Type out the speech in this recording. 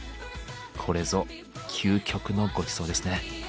これぞ究極のごちそうですね。